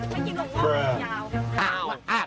ไม่กินสวงออกยาว